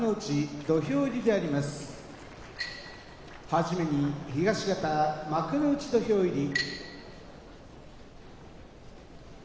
はじめに東方幕内土俵入り。